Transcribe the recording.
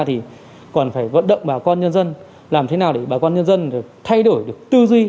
thì còn phải vận động bà con nhân dân làm thế nào để bà con nhân dân thay đổi được tư duy